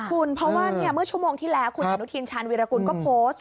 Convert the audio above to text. คุณเพราะว่าเมื่อชั่วโมงที่แล้วคุณอนุทินชาญวีรกุลก็โพสต์